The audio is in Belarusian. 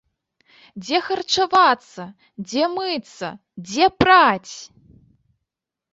Дзе харчавацца, дзе мыцца, дзе праць?